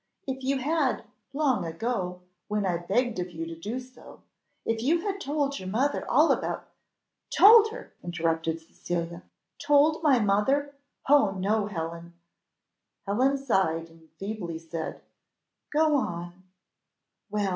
If you had, long ago, when I begged of you to do so if you had told your mother all about " "Told her!" interrupted Cecilia; "told my mother! oh no, Helen!" Helen sighed, and feebly said, "Go on."